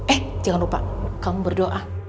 eh jangan lupa kamu berdoa